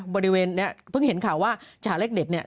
บริเวณนี้เพิ่งเห็นข่าวว่าฉาเลขเด็ดเนี่ย